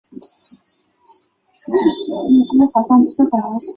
母丁氏。